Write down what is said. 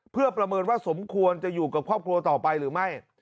เพื่อประเมินว่าสมควรจะอยู่กับครอบครัวต่อไปหรือไม่